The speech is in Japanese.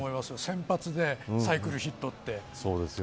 先発でサイクルヒットって。